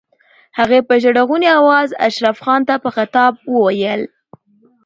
هغې په ژړغوني آواز اشرف خان ته په خطاب وويل.